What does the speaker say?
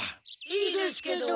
いいですけど。